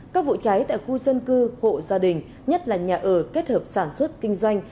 các vụ cháy tại khu dân cư hộ gia đình nhất là nhà ở kết hợp sản xuất kinh doanh